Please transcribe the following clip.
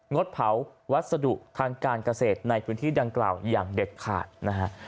ดเผาวัสดุทางการเกษตรในพื้นที่ดังกล่าวอย่างเด็ดขาดนะฮะ